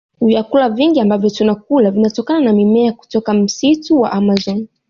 Vyakula vingi ambavyo tunakula vinatokana na mimea kutoka msitu wa amazon